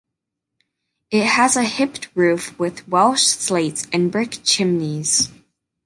It has a hipped roof with Welsh slates and brick chimneys.